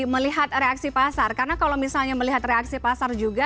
melihat reaksi pasar karena kalau misalnya melihat reaksi pasar juga